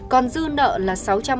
còn dư nợ là